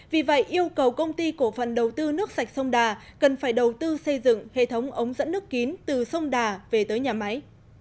vì vậy yêu cầu công ty cổ phần đầu tư nước sạch sông đà cần phải đầu tư xây dựng hệ thống ống dẫn nước kín từ sông đà về tới nhà máy